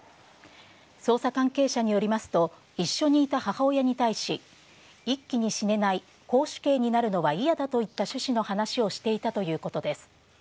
捜査関係者によりますと、一緒にいた母親に対し、一気に死ねない絞首刑になるのは嫌だといった趣旨の話をしていたということです。